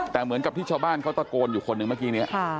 แต่เหมือนกับที่ชาวบ้านเขาตะโกนอยู่คนหนึ่งเมื่อกี้นี้